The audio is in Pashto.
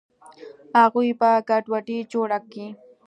اغوئ به ګډوډي جوړه کي.